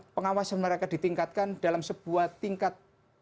pengawasan mereka ditingkatkan dalam sebuah tingkat